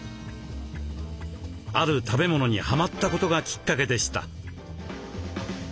ある食べ物にハマったことがきっかけでした。